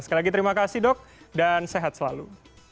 sekali lagi terima kasih dok dan sehat selalu